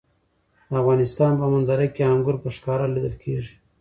د افغانستان په منظره کې انګور په ښکاره لیدل کېږي.